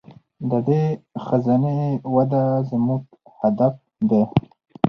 د دې خزانې وده زموږ هدف دی.